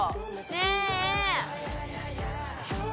ねえ。